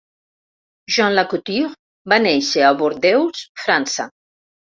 Jean Lacouture va néixer a Bordeus, França.